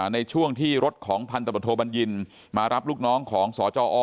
ในช่วงที่รถของพันธบทโทบัญญินมารับลูกน้องของสจอ